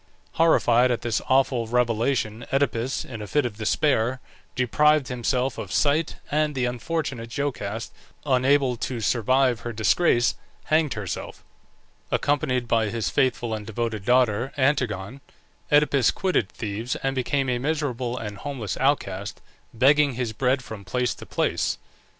Horrified at this awful revelation Oedipus, in a fit of despair, deprived himself of sight, and the unfortunate Jocaste, unable to survive her disgrace, hanged herself. Accompanied by his faithful and devoted daughter Antigone, Oedipus quitted Thebes and became a miserable and homeless outcast, begging his bread from place to place.